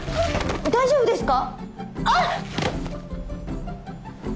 大丈夫ですか！？あっ！